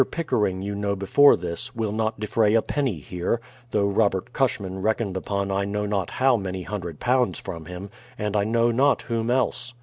Pickering, you know before this, will not defray a penny here; though Robert Cushman reckoned upon I know not how many hundred pounds from him, and I know not whom else.